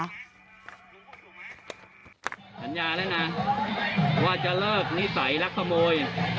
สัญญาแล้วนะว่าจะเลิกนิสัยรักขโมย